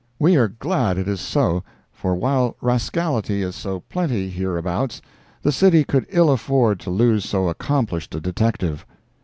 We are glad it is so, for while rascality is so plenty hereabouts, the city could ill afford to lose so accomplished a detective.